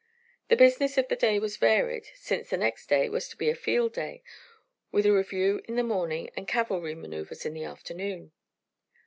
The business of the day was varied, since the next day was to be a field day, with a review in the morning and cavalry maneuvers in the afternoon.